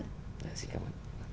dạ xin cảm ơn